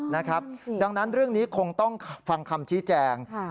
นะครับดังนั้นเรื่องนี้คงต้องฟังคำชี้แจงค่ะ